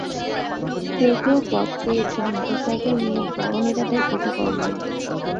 কেউ কেউ পদ পেয়েছেন মোটরসাইকেল নিয়ে বড় নেতাদের প্রটোকল দিয়ে।